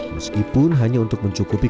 meskipun hanya untuk mencukupi